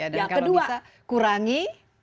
dan kalau bisa kurangi